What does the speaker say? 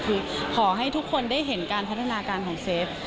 คือขอให้ทุกคนได้เห็นการพัฒนาการของเซฟ